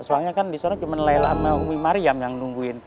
soalnya kan disana cuma laila sama umi mariam yang nungguin